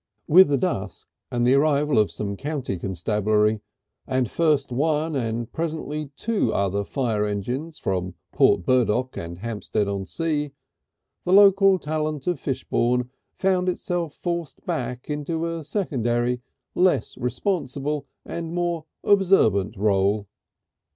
V With the dusk and the arrival of some county constabulary, and first one and presently two other fire engines from Port Burdock and Hampstead on Sea, the local talent of Fishbourne found itself forced back into a secondary, less responsible and more observant rôle.